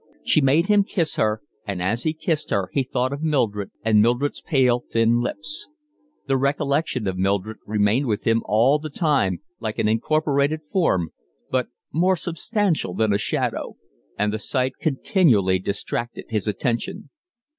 She made him kiss her, and as he kissed her he thought of Mildred and Mildred's pale, thin lips. The recollection of Mildred remained with him all the time, like an incorporated form, but more substantial than a shadow; and the sight continually distracted his attention.